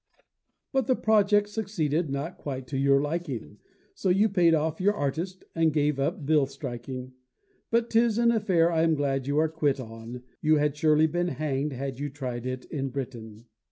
But the project succeeded not quite to your liking; So you paid off your artist, and gave up bill striking: But 'tis an affair I am glad you are quit on: You had surely been hang'd had you tried it in Britain.